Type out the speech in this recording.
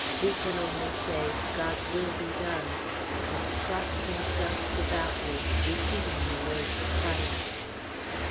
We can only say, 'God's will be done,'" and he crossed himself devoutly, repeating the words twice.